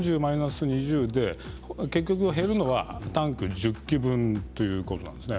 そうすると３０マイナス２０で実際に減るのはタンク１０基分ということになります。